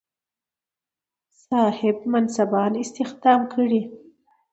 صاحب منصبان استخدام کړي.